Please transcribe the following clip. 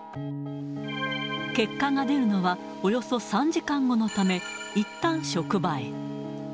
結果が出るのはおよそ３時間後のため、いったん職場へ。